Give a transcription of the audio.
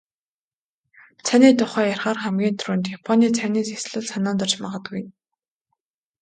Цайны тухай ярихаар хамгийн түрүүнд "Японы цайны ёслол" санаанд орж магадгүй.